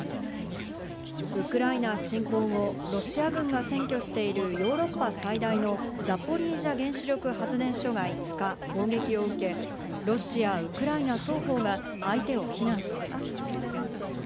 ウクライナ侵攻後、ロシア軍が占拠しているヨーロッパ最大のザポリージャ原子力発電所が５日砲撃を受け、ロシア、ウクライナ双方が相手を非難しています。